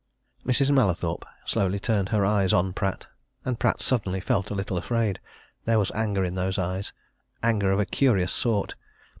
Mrs. Mallathorpe slowly turned her eyes on Pratt. And Pratt suddenly felt a little afraid there was anger in those eyes; anger of a curious sort.